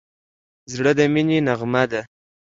زړه د مینې نغمه ده.